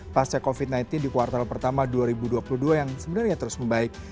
pasca covid sembilan belas di kuartal pertama dua ribu dua puluh dua yang sebenarnya terus membaik